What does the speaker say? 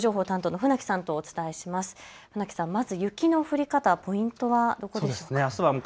船木さん、まず雪の降り方、ポイントはどこでしょうか。